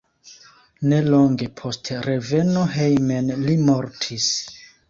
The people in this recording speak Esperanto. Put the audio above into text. Nelonge post reveno hejmen li mortis.